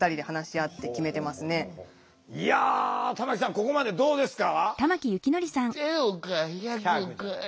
ここまでどうですか？